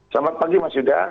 selamat pagi mas yuda